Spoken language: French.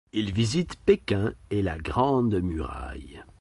Il visite Pékin et la Grande Muraille.